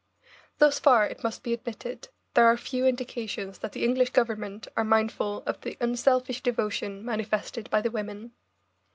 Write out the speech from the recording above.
Thus far, it must be admitted, there are few indications that the English Government are mindful of the unselfish devotion manifested by the women.